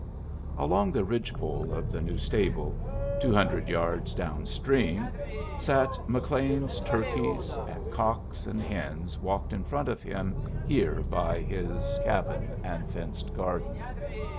Along the ridge pole of the new stable, two hundred yards down stream, sat McLean's turkeys, and cocks and hens walked in front of him here by his cabin and fenced garden.